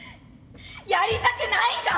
やりたくないんだ。